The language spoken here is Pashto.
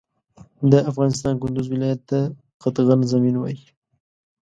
د افغانستان کندوز ولایت ته قطغن زمین وایی